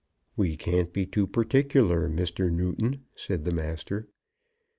"We can't be too particular, Mr. Newton," said the master.